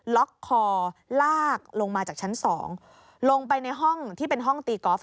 ล็อกคอลากลงมาจากชั้น๒ลงไปในห้องที่เป็นห้องตีกอล์ฟ